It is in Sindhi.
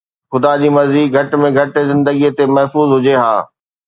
خدا جي مرضي، گهٽ ۾ گهٽ زندگي ته محفوظ هجي ها.